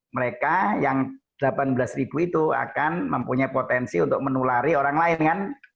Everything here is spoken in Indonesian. mereka yang delapan belas ribu itu akan mempunyai potensi untuk menulari orang lain kan